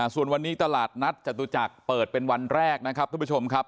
ส่วนวันนี้ตลาดนัดจตุจักรเปิดเป็นวันแรกนะครับทุกผู้ชมครับ